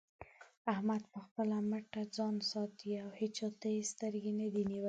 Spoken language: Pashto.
احمد په خپله مټه ځان ساتي او هيچا ته يې سترګې نه دې نيولې.